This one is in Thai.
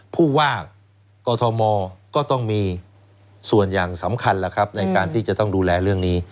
ผู้ว่ากอทมก็ต้องมีส่วนอย่างสำคัญแล้วครับในการที่จะต้องดูแลเรื่องนี้